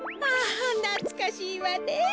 あなつかしいわね。